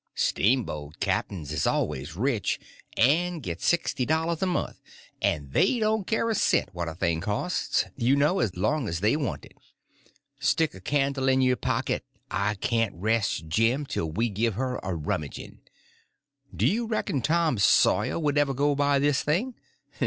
Steamboat captains is always rich, and get sixty dollars a month, and they don't care a cent what a thing costs, you know, long as they want it. Stick a candle in your pocket; I can't rest, Jim, till we give her a rummaging. Do you reckon Tom Sawyer would ever go by this thing?